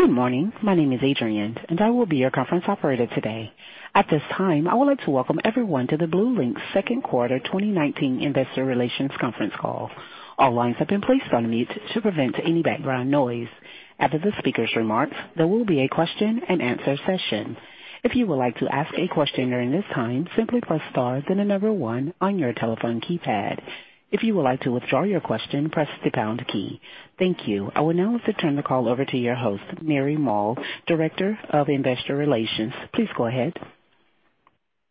Good morning. My name is Adrienne, and I will be your conference operator today. At this time, I would like to welcome everyone to the BlueLinx second quarter 2019 investor relations conference call. All lines have been placed on mute to prevent any background noise. After the speaker's remarks, there will be a question and answer session. If you would like to ask a question during this time, simply press star then the number one on your telephone keypad. If you would like to withdraw your question, press the pound key. Thank you. I would now like to turn the call over to your host, Mary Moll, Director of Investor Relations. Please go ahead.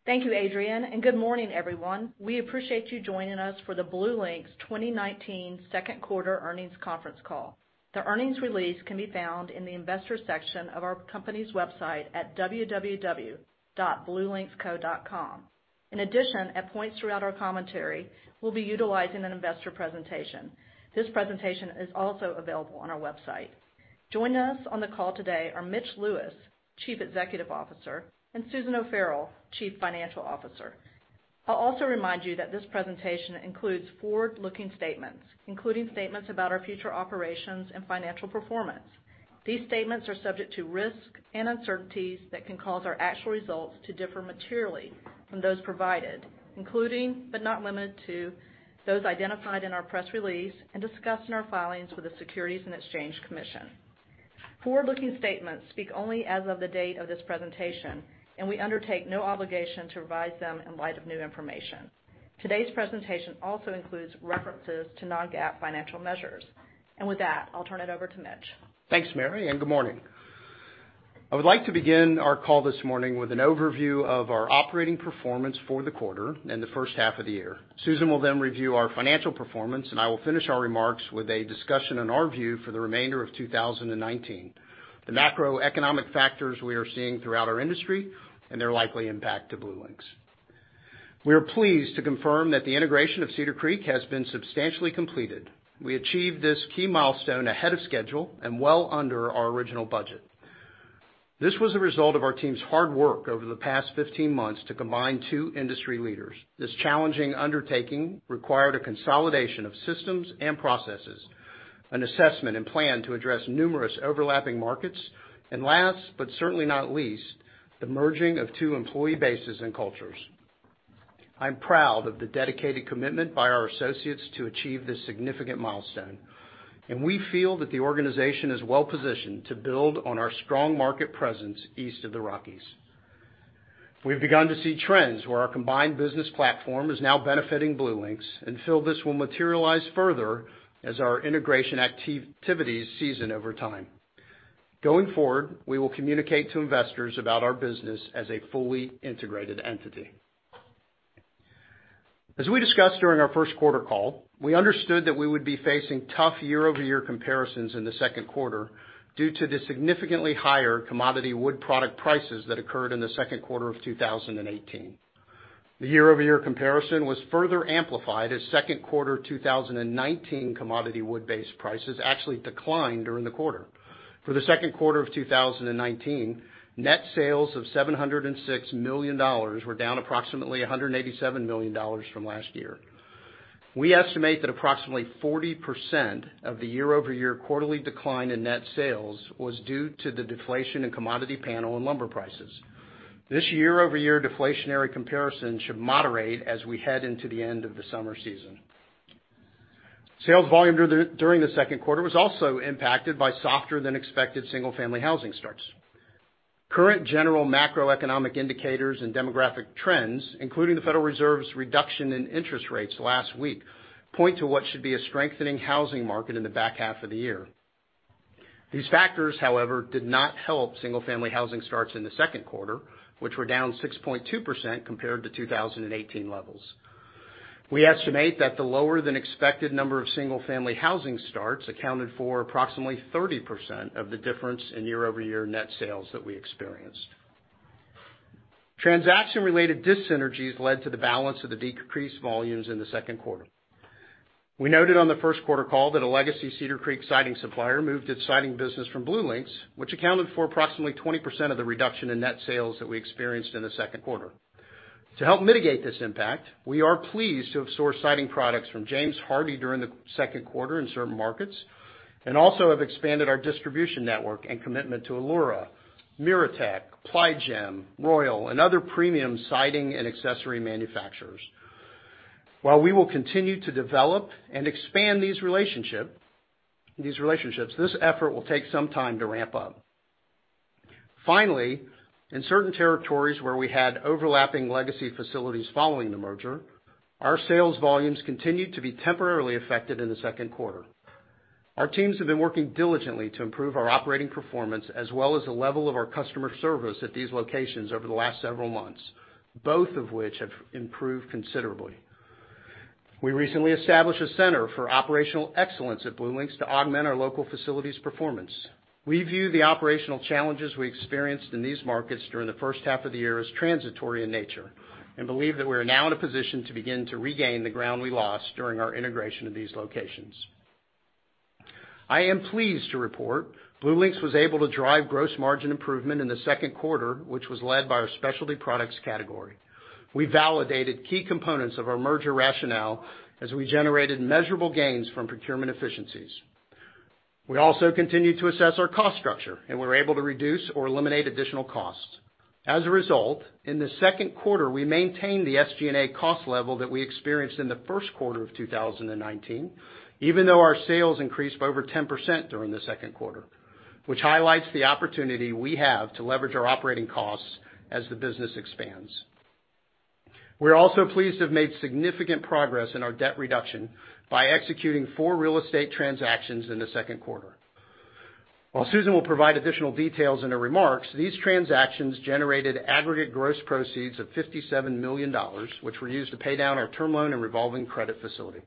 Thank you, Adrienne, and good morning everyone. We appreciate you joining us for the BlueLinx 2019 second quarter earnings conference call. The earnings release can be found in the Investors section of our company's website at www.bluelinxco.com. In addition, at points throughout our commentary, we'll be utilizing an investor presentation. This presentation is also available on our website. Joining us on the call today are Mitch Lewis, Chief Executive Officer, and Susan O'Farrell, Chief Financial Officer. I'll also remind you that this presentation includes forward-looking statements, including statements about our future operations and financial performance. These statements are subject to risks and uncertainties that can cause our actual results to differ materially from those provided, including, but not limited to, those identified in our press release and discussed in our filings with the Securities and Exchange Commission. Forward-looking statements speak only as of the date of this presentation, and we undertake no obligation to revise them in light of new information. Today's presentation also includes references to non-GAAP financial measures. With that, I'll turn it over to Mitch. Thanks, Mary. Good morning. I would like to begin our call this morning with an overview of our operating performance for the quarter and the first half of the year. Susan will then review our financial performance, and I will finish our remarks with a discussion on our view for the remainder of 2019, the macroeconomic factors we are seeing throughout our industry, and their likely impact to BlueLinx. We are pleased to confirm that the integration of Cedar Creek has been substantially completed. We achieved this key milestone ahead of schedule and well under our original budget. This was a result of our team's hard work over the past 15 months to combine two industry leaders. This challenging undertaking required a consolidation of systems and processes, an assessment and plan to address numerous overlapping markets, and last, but certainly not least, the merging of two employee bases and cultures. I'm proud of the dedicated commitment by our associates to achieve this significant milestone. We feel that the organization is well-positioned to build on our strong market presence east of the Rockies. We've begun to see trends where our combined business platform is now benefiting BlueLinx and feel this will materialize further as our integration activities season over time. Going forward, we will communicate to investors about our business as a fully integrated entity. As we discussed during our first quarter call, we understood that we would be facing tough year-over-year comparisons in the second quarter due to the significantly higher commodity wood product prices that occurred in the second quarter of 2018. The year-over-year comparison was further amplified as second quarter 2019 commodity wood-based prices actually declined during the quarter. For the second quarter of 2019, net sales of $706 million were down approximately $187 million from last year. We estimate that approximately 40% of the year-over-year quarterly decline in net sales was due to the deflation in commodity panel and lumber prices. This year-over-year deflationary comparison should moderate as we head into the end of the summer season. Sales volume during the second quarter was also impacted by softer-than-expected single-family housing starts. Current general macroeconomic indicators and demographic trends, including the Federal Reserve's reduction in interest rates last week, point to what should be a strengthening housing market in the back half of the year. These factors, however, did not help single-family housing starts in the second quarter, which were down 6.2% compared to 2018 levels. We estimate that the lower-than-expected number of single-family housing starts accounted for approximately 30% of the difference in year-over-year net sales that we experienced. Transaction-related dissynergies led to the balance of the decreased volumes in the second quarter. We noted on the first quarter call that a legacy Cedar Creek siding supplier moved its siding business from BlueLinx, which accounted for approximately 20% of the reduction in net sales that we experienced in the second quarter. To help mitigate this impact, we are pleased to have sourced siding products from James Hardie during the second quarter in certain markets and also have expanded our distribution network and commitment to Allura, MiraTEC, Ply Gem, Royal, and other premium siding and accessory manufacturers. While we will continue to develop and expand these relationships, this effort will take some time to ramp up. Finally, in certain territories where we had overlapping legacy facilities following the merger, our sales volumes continued to be temporarily affected in the second quarter. Our teams have been working diligently to improve our operating performance as well as the level of our customer service at these locations over the last several months, both of which have improved considerably. We recently established a center for operational excellence at BlueLinx to augment our local facilities' performance. We view the operational challenges we experienced in these markets during the first half of the year as transitory in nature and believe that we're now in a position to begin to regain the ground we lost during our integration of these locations. I am pleased to report BlueLinx was able to drive gross margin improvement in the second quarter, which was led by our specialty products category. We validated key components of our merger rationale as we generated measurable gains from procurement efficiencies. We also continued to assess our cost structure, and we were able to reduce or eliminate additional costs. As a result, in the second quarter, we maintained the SG&A cost level that we experienced in the first quarter of 2019, even though our sales increased by over 10% during the second quarter, which highlights the opportunity we have to leverage our operating costs as the business expands. We're also pleased to have made significant progress in our debt reduction by executing four real estate transactions in the second quarter. While Susan will provide additional details in her remarks, these transactions generated aggregate gross proceeds of $57 million, which were used to pay down our term loan and revolving credit facility.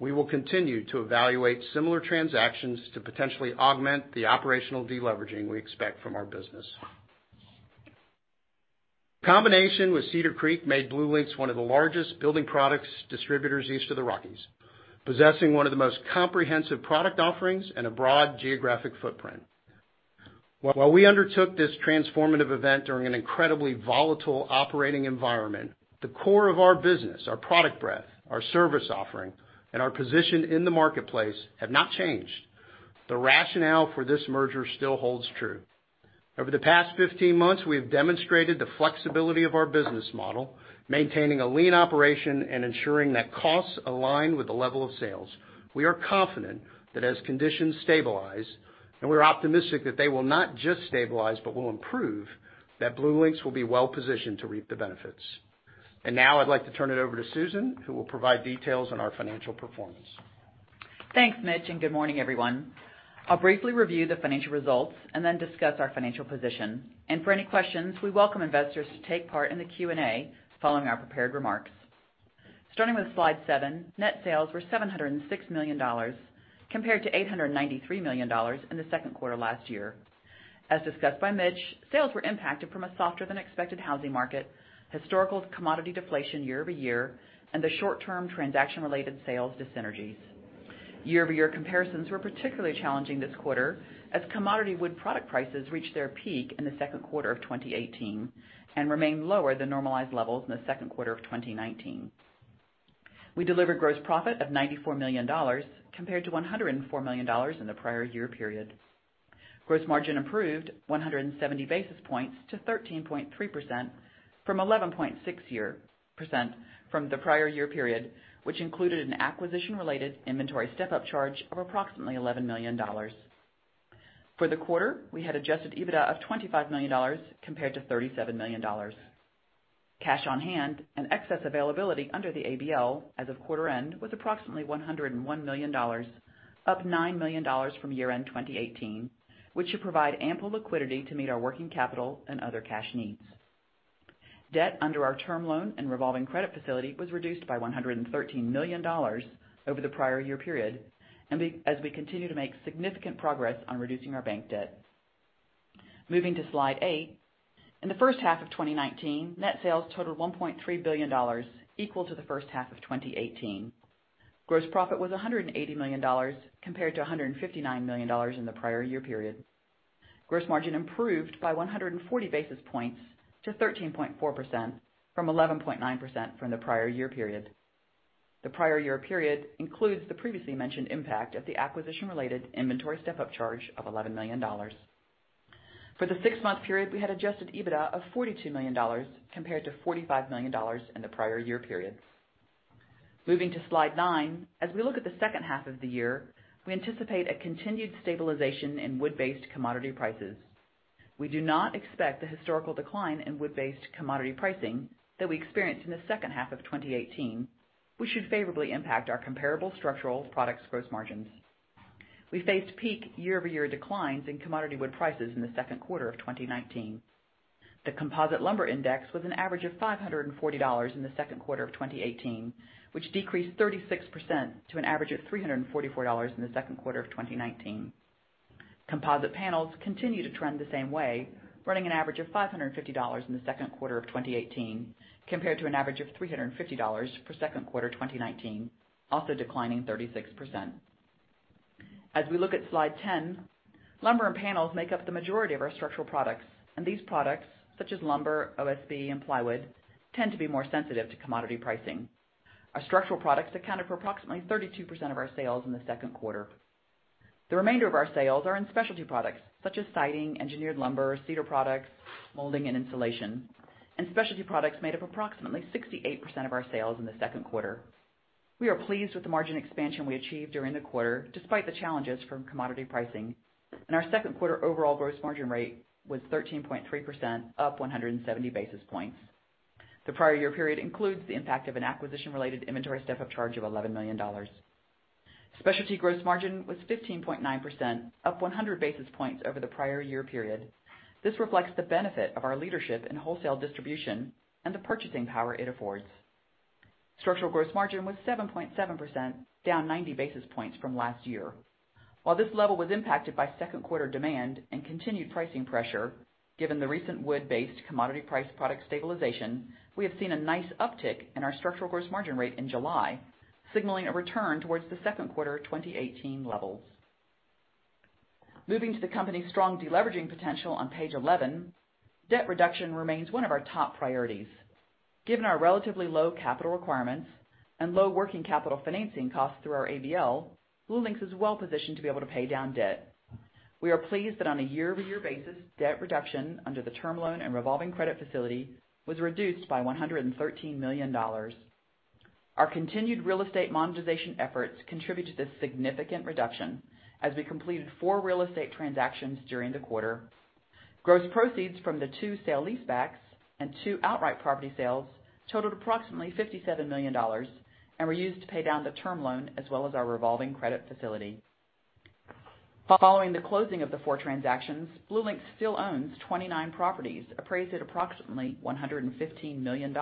We will continue to evaluate similar transactions to potentially augment the operational de-leveraging we expect from our business. Combination with Cedar Creek made BlueLinx one of the largest building products distributors east of the Rockies, possessing one of the most comprehensive product offerings and a broad geographic footprint. While we undertook this transformative event during an incredibly volatile operating environment, the core of our business, our product breadth, our service offering, and our position in the marketplace have not changed. The rationale for this merger still holds true. Over the past 15 months, we have demonstrated the flexibility of our business model, maintaining a lean operation and ensuring that costs align with the level of sales. We are confident that as conditions stabilize, and we're optimistic that they will not just stabilize, but will improve, that BlueLinx will be well-positioned to reap the benefits. Now I'd like to turn it over to Susan, who will provide details on our financial performance. Thanks, Mitch, and good morning, everyone. I'll briefly review the financial results and then discuss our financial position. For any questions, we welcome investors to take part in the Q&A following our prepared remarks. Starting with slide seven, net sales were $706 million compared to $893 million in the second quarter last year. As discussed by Mitch, sales were impacted from a softer-than-expected housing market, historical commodity deflation year-over-year, and the short-term transaction-related sales dissynergies. Year-over-year comparisons were particularly challenging this quarter as commodity wood product prices reached their peak in the second quarter of 2018 and remained lower than normalized levels in the second quarter of 2019. We delivered gross profit of $94 million, compared to $104 million in the prior year period. Gross margin improved 170 basis points to 13.3% from 11.6% from the prior year period, which included an acquisition-related inventory step-up charge of approximately $11 million. For the quarter, we had adjusted EBITDA of $25 million, compared to $37 million. Cash on hand and excess availability under the ABL as of quarter-end was approximately $101 million, up $9 million from year-end 2018, which should provide ample liquidity to meet our working capital and other cash needs. Debt under our term loan and revolving credit facility was reduced by $113 million over the prior year period as we continue to make significant progress on reducing our bank debt. Moving to slide eight, in the first half of 2019, net sales totaled $1.3 billion, equal to the first half of 2018. Gross profit was $180 million, compared to $159 million in the prior year period. Gross margin improved by 140 basis points to 13.4%, from 11.9% from the prior year period. The prior year period includes the previously mentioned impact of the acquisition-related inventory step-up charge of $11 million. For the six-month period, we had adjusted EBITDA of $42 million compared to $45 million in the prior year period. Moving to slide nine, as we look at the second half of the year, we anticipate a continued stabilization in wood-based commodity prices. We do not expect the historical decline in wood-based commodity pricing that we experienced in the second half of 2018, which should favorably impact our comparable structural products' gross margins. We faced peak year-over-year declines in commodity wood prices in the second quarter of 2019. The composite lumber index was an average of $540 in the second quarter of 2018, which decreased 36% to an average of $344 in the second quarter of 2019. Composite panels continue to trend the same way, running an average of $550 in the second quarter of 2018, compared to an average of $350 for second quarter 2019, also declining 36%. As we look at slide 10, lumber and panels make up the majority of our structural products. These products, such as lumber, OSB, and plywood, tend to be more sensitive to commodity pricing. Our structural products accounted for approximately 32% of our sales in the second quarter. The remainder of our sales are in specialty products, such as siding, engineered lumber, cedar products, molding, and insulation. Specialty products made up approximately 68% of our sales in the second quarter. We are pleased with the margin expansion we achieved during the quarter, despite the challenges from commodity pricing. Our second quarter overall gross margin rate was 13.3%, up 170 basis points. The prior year period includes the impact of an acquisition-related inventory step-up charge of $11 million. Specialty gross margin was 15.9%, up 100 basis points over the prior year period. This reflects the benefit of our leadership in wholesale distribution and the purchasing power it affords. Structural gross margin was 7.7%, down 90 basis points from last year. This level was impacted by second quarter demand and continued pricing pressure, given the recent wood-based commodity price product stabilization, we have seen a nice uptick in our structural gross margin rate in July, signaling a return towards the second quarter 2018 levels. Moving to the company's strong de-leveraging potential on page 11, debt reduction remains one of our top priorities. Given our relatively low capital requirements and low working capital financing costs through our ABL, BlueLinx is well-positioned to be able to pay down debt. We are pleased that on a year-over-year basis, debt reduction under the term loan and revolving credit facility was reduced by $113 million. Our continued real estate monetization efforts contribute to this significant reduction as we completed four real estate transactions during the quarter. Gross proceeds from the two sale leasebacks and two outright property sales totaled approximately $57 million and were used to pay down the term loan as well as our revolving credit facility. Following the closing of the four transactions, BlueLinx still owns 29 properties appraised at approximately $115 million.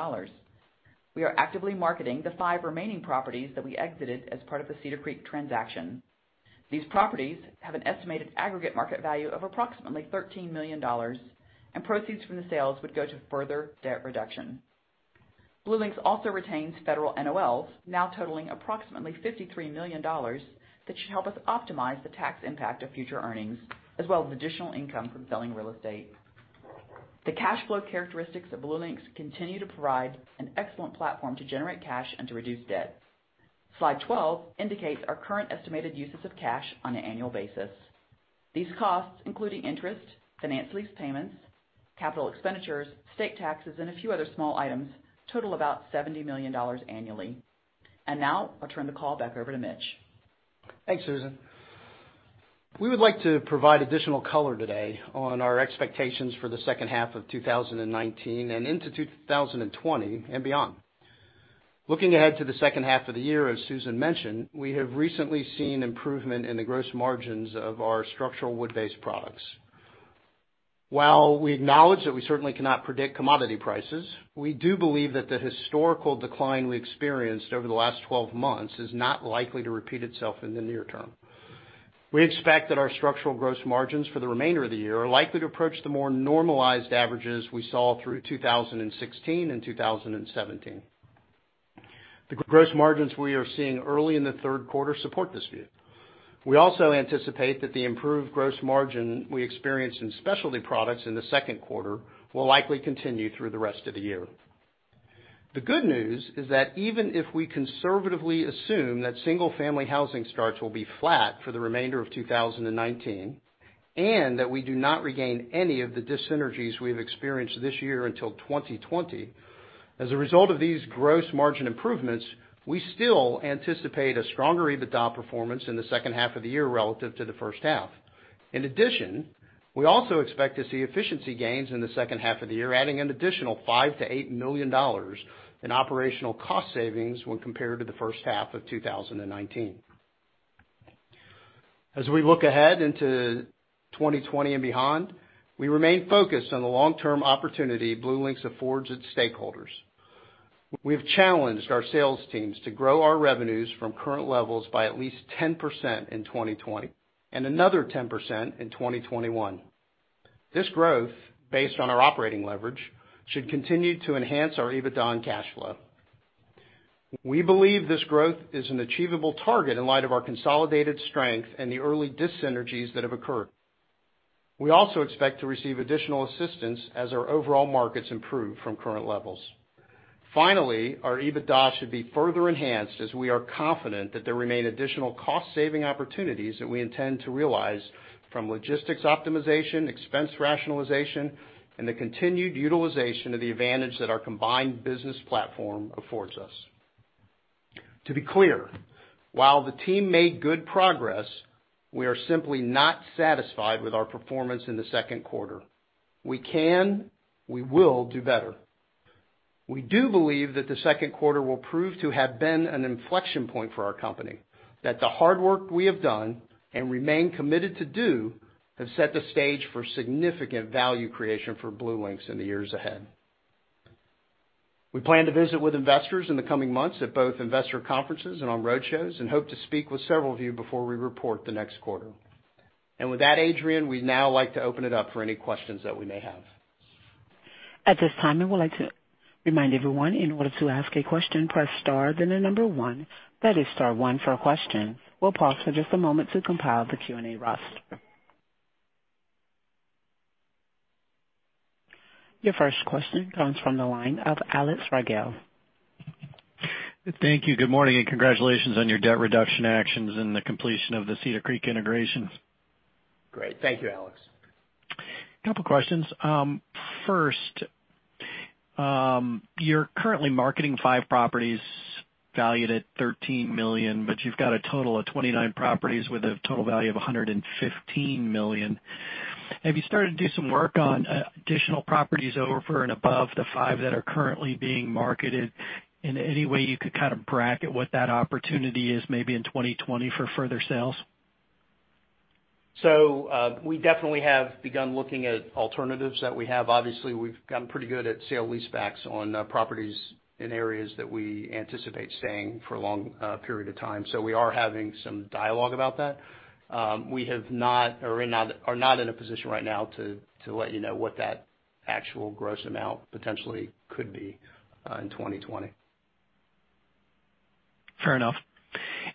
We are actively marketing the five remaining properties that we exited as part of the Cedar Creek transaction. These properties have an estimated aggregate market value of approximately $13 million, and proceeds from the sales would go to further debt reduction. BlueLinx also retains Federal NOLs, now totaling approximately $53 million that should help us optimize the tax impact of future earnings as well as additional income from selling real estate. The cash flow characteristics of BlueLinx continue to provide an excellent platform to generate cash and to reduce debt. Slide 12 indicates our current estimated uses of cash on an annual basis. These costs, including interest, finance lease payments, capital expenditures, state taxes, and a few other small items, total about $70 million annually. Now I'll turn the call back over to Mitch. Thanks, Susan. We would like to provide additional color today on our expectations for the second half of 2019 and into 2020 and beyond. Looking ahead to the second half of the year, as Susan mentioned, we have recently seen improvement in the gross margins of our structural wood-based products. While we acknowledge that we certainly cannot predict commodity prices, we do believe that the historical decline we experienced over the last 12 months is not likely to repeat itself in the near term. We expect that our structural gross margins for the remainder of the year are likely to approach the more normalized averages we saw through 2016 and 2017. The gross margins we are seeing early in the third quarter support this view. We also anticipate that the improved gross margin we experienced in specialty products in the second quarter will likely continue through the rest of the year. The good news is that even if we conservatively assume that single-family housing starts will be flat for the remainder of 2019, and that we do not regain any of the dissynergies we've experienced this year until 2020, as a result of these gross margin improvements, we still anticipate a stronger EBITDA performance in the second half of the year relative to the first half. In addition, we also expect to see efficiency gains in the second half of the year, adding an additional $5 million-$8 million in operational cost savings when compared to the first half of 2019. As we look ahead into 2020 and beyond, we remain focused on the long-term opportunity BlueLinx affords its stakeholders. We have challenged our sales teams to grow our revenues from current levels by at least 10% in 2020 and another 10% in 2021. This growth, based on our operating leverage, should continue to enhance our EBITDA and cash flow. We believe this growth is an achievable target in light of our consolidated strength and the early dissynergies that have occurred. We also expect to receive additional assistance as our overall markets improve from current levels. Finally, our EBITDA should be further enhanced as we are confident that there remain additional cost-saving opportunities that we intend to realize from logistics optimization, expense rationalization, and the continued utilization of the advantage that our combined business platform affords us. To be clear, while the team made good progress, we are simply not satisfied with our performance in the second quarter. We can, we will do better. We do believe that the second quarter will prove to have been an inflection point for our company, that the hard work we have done and remain committed to do have set the stage for significant value creation for BlueLinx in the years ahead. We plan to visit with investors in the coming months at both investor conferences and on roadshows and hope to speak with several of you before we report the next quarter. With that, Adrienne, we'd now like to open it up for any questions that we may have. At this time, I would like to remind everyone, in order to ask a question, press star, then the number one. That is star one for a question. We'll pause for just a moment to compile the Q&A roster. Your first question comes from the line of Alex Rygiel. Thank you. Good morning, and congratulations on your debt reduction actions and the completion of the Cedar Creek integration. Great. Thank you, Alex. Couple questions. First, you're currently marketing five properties valued at $13 million, but you've got a total of 29 properties with a total value of $115 million. Have you started to do some work on additional properties over and above the five that are currently being marketed? In any way you could kind of bracket what that opportunity is maybe in 2020 for further sales? We definitely have begun looking at alternatives that we have. Obviously, we've gotten pretty good at sale leasebacks on properties in areas that we anticipate staying for a long period of time. We are having some dialogue about that. We are not in a position right now to let you know what that actual gross amount potentially could be in 2020. Fair enough.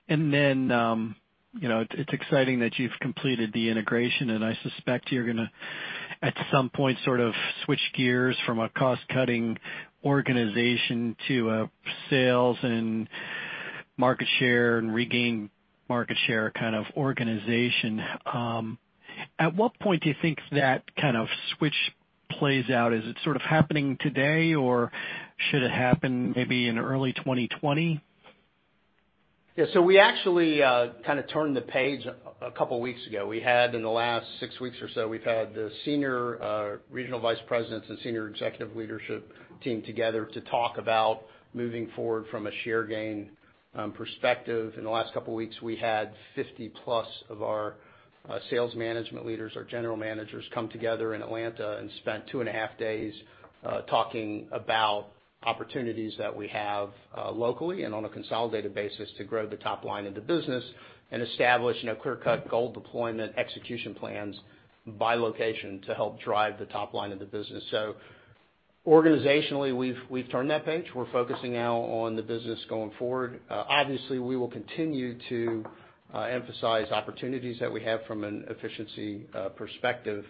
It's exciting that you've completed the integration, and I suspect you're going to, at some point, sort of switch gears from a cost-cutting organization to a sales and market share and regain market share kind of organization. At what point do you think that kind of switch plays out? Is it sort of happening today, or should it happen maybe in early 2020? Yeah. We actually kind of turned the page a couple of weeks ago. We had, in the last six weeks or so, we've had the senior regional vice presidents and senior executive leadership team together to talk about moving forward from a share gain perspective. In the last couple of weeks, we had 50 plus of our sales management leaders, our general managers, come together in Atlanta and spent two and a half days talking about opportunities that we have locally and on a consolidated basis to grow the top line of the business and establish clear-cut goal deployment execution plans by location to help drive the top line of the business. Organizationally, we've turned that page. We're focusing now on the business going forward. Obviously, we will continue to emphasize opportunities that we have from an efficiency perspective.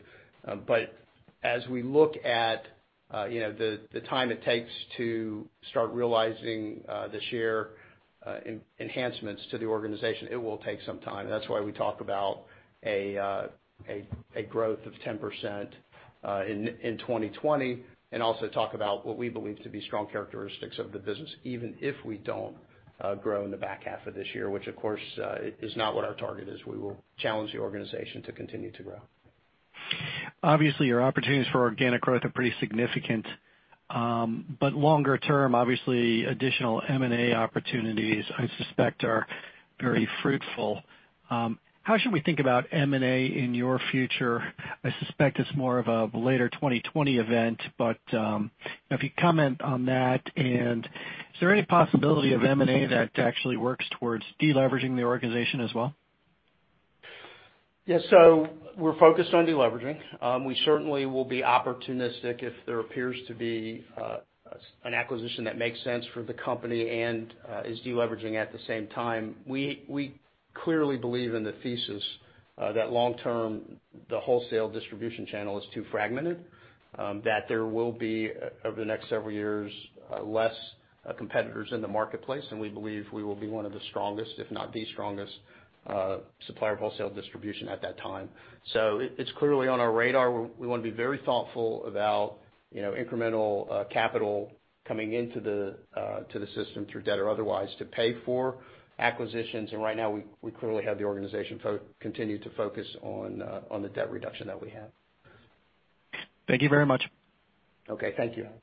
As we look at the time it takes to start realizing the share enhancements to the organization, it will take some time. That's why we talk about a growth of 10% in 2020 and also talk about what we believe to be strong characteristics of the business, even if we don't grow in the back half of this year, which of course, is not what our target is. We will challenge the organization to continue to grow. Obviously, your opportunities for organic growth are pretty significant. Longer term, obviously, additional M&A opportunities, I suspect, are very fruitful. How should we think about M&A in your future? I suspect it's more of a later 2020 event. If you comment on that, and is there any possibility of M&A that actually works towards de-leveraging the organization as well? Yeah. We're focused on de-leveraging. We certainly will be opportunistic if there appears to be an acquisition that makes sense for the company and is de-leveraging at the same time. We clearly believe in the thesis that long term, the wholesale distribution channel is too fragmented, that there will be, over the next several years, less competitors in the marketplace, and we believe we will be one of the strongest, if not the strongest supplier of wholesale distribution at that time. It's clearly on our radar. We want to be very thoughtful about incremental capital coming into the system through debt or otherwise to pay for acquisitions. Right now we clearly have the organization continue to focus on the debt reduction that we have. Thank you very much. Okay. Thank you, Alex.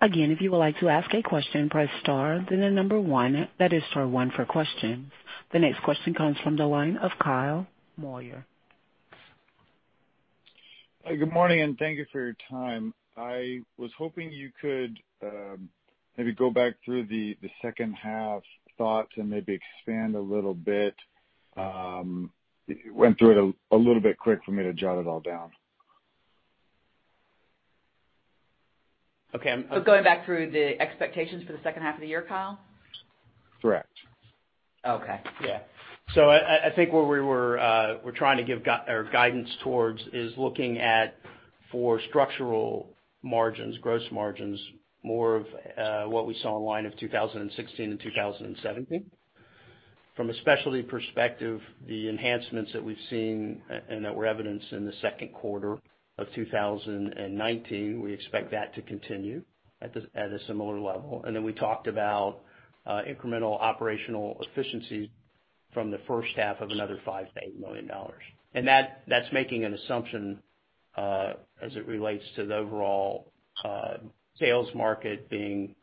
Again, if you would like to ask a question, press star, then the number one. That is star one for questions. The next question comes from the line of Kyle Moyer. Good morning, and thank you for your time. I was hoping you could maybe go back through the second half thoughts and maybe expand a little bit. You went through it a little bit quick for me to jot it all down. Okay. Going back through the expectations for the second half of the year, Kyle? Correct. Okay. I think where we're trying to give guidance towards is looking at for structural margins, gross margins, more of what we saw in line of 2016 and 2017. From a specialty perspective, the enhancements that we've seen and that were evidenced in the second quarter of 2019, we expect that to continue at a similar level. We talked about incremental operational efficiency from the first half of another $5 million-$8 million. That's making an assumption as it relates to the overall sales market being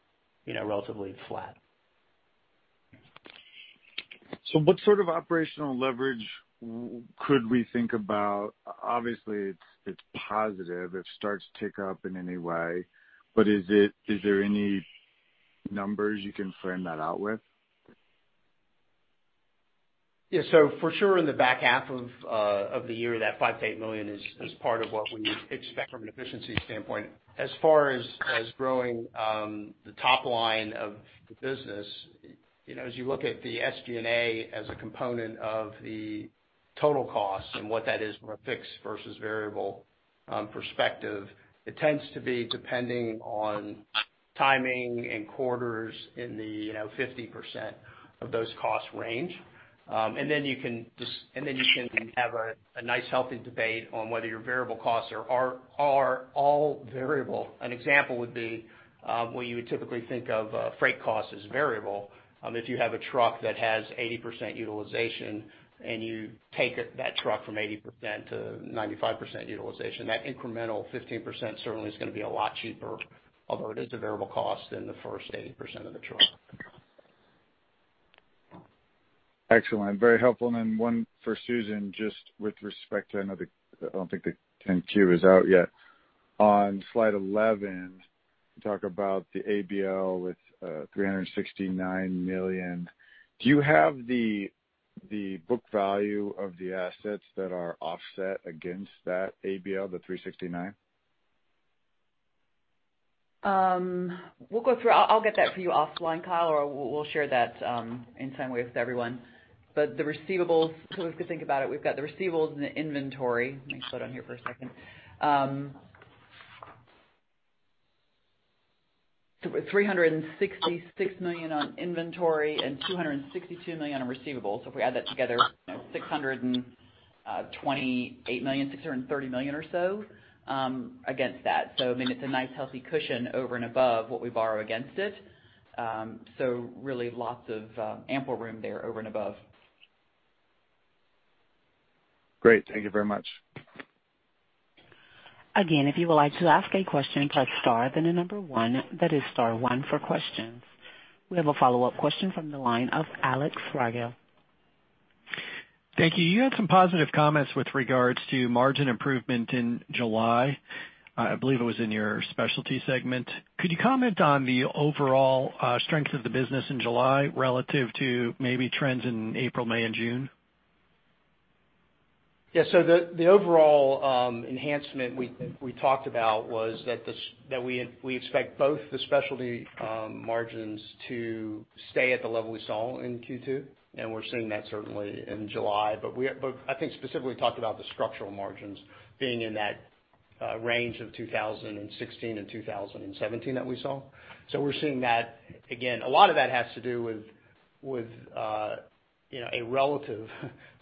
relatively flat. What sort of operational leverage could we think about? Obviously, it's positive. It starts to tick up in any way. Is there any numbers you can frame that out with? Yeah. For sure in the back half of the year, that $5 million-$8 million is part of what we expect from an efficiency standpoint. As far as growing the top line of the business, as you look at the SG&A as a component of the total cost and what that is from a fixed versus variable perspective, it tends to be depending on timing and quarters in the 50% of those cost range. You can have a nice healthy debate on whether your variable costs are all variable. An example would be, where you would typically think of freight cost as variable. If you have a truck that has 80% utilization and you take that truck from 80% to 95% utilization, that incremental 15% certainly is going to be a lot cheaper, although it is a variable cost in the first 80% of the truck. Excellent. Very helpful. Then one for Susan, just with respect to, I don't think the 10-Q is out yet. On slide 11, you talk about the ABL with $369 million. Do you have the book value of the assets that are offset against that ABL, the $369? We'll go through. I'll get that for you offline, Kyle, or we'll share that in some way with everyone. The receivables, if we think about it, we've got the receivables and the inventory. Let me slow down here for a second. We've got $366 million on inventory and $262 million on receivables. If we add that together, $628 million, $630 million or so against that. It's a nice healthy cushion over and above what we borrow against it. Really, lots of ample room there over and above. Great. Thank you very much. Again, if you would like to ask a question, press star, then the number one. That is star one for questions. We have a follow-up question from the line of Alex Rygiel. Thank you. You had some positive comments with regards to margin improvement in July. I believe it was in your specialty segment. Could you comment on the overall strength of the business in July relative to maybe trends in April, May, and June? The overall enhancement we talked about was that we expect both the specialty margins to stay at the level we saw in Q2, and we're seeing that certainly in July. I think specifically talked about the structural margins being in that range of 2016 and 2017 that we saw. We're seeing that. Again, a lot of that has to do with a relative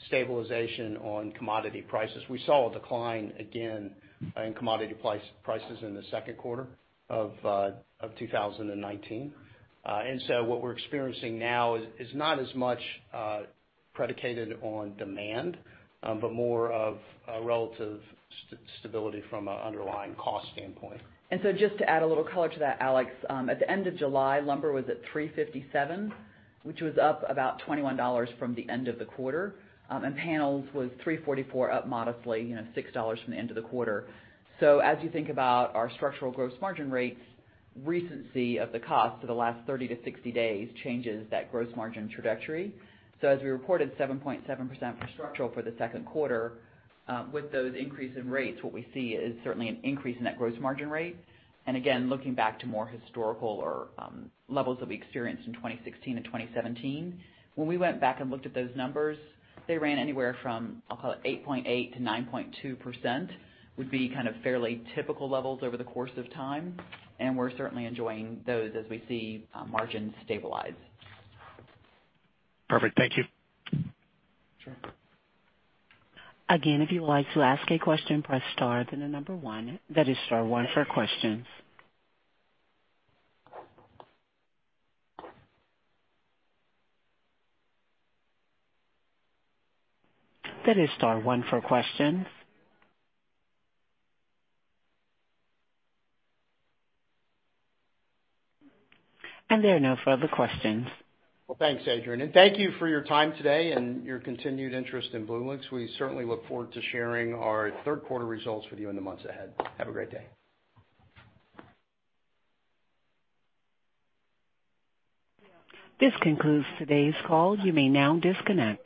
stabilization on commodity prices. We saw a decline again in commodity prices in the second quarter of 2019. What we're experiencing now is not as much predicated on demand, but more of a relative stability from an underlying cost standpoint. Just to add a little color to that, Alex, at the end of July, lumber was at $357, which was up about $21 from the end of the quarter. Panels was $344, up modestly, $6 from the end of the quarter. As you think about our structural gross margin rates, recency of the cost for the last 30 to 60 days changes that gross margin trajectory. As we reported 7.7% for structural for the second quarter, with those increase in rates, what we see is certainly an increase in that gross margin rate. Again, looking back to more historical or levels that we experienced in 2016 and 2017, when we went back and looked at those numbers, they ran anywhere from, I'll call it 8.8%-9.2%, would be kind of fairly typical levels over the course of time, and we're certainly enjoying those as we see margins stabilize. Perfect. Thank you. Sure. Again, if you would like to ask a question, press star, then the number one. That is star one for questions. That is star one for questions. There are no further questions. Well, thanks, Adrienne. Thank you for your time today and your continued interest in BlueLinx. We certainly look forward to sharing our third quarter results with you in the months ahead. Have a great day. This concludes today's call. You may now disconnect.